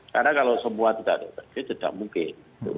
karena kalau semua tidak ada tidak mungkin